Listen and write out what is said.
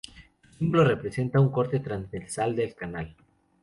Su símbolo representa un corte transversal del canal.